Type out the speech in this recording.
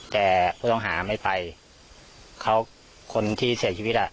แต่ผู้ต้องหาไม่ไปเขาคนที่เสียชีวิตอ่ะ